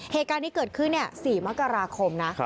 เหตุการณ์ที่เกิดขึ้นเนี่ย๔มกราคมนะ